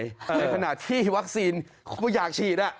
ในขณะที่วัคซีนมาอยากฉีดอ่ะ